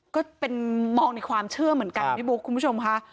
ก็เป็นมองในความเชื่อเหมือนกันพี่บุ๊คคุณผู้ชมค่ะ